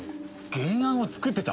原案を作ってた！？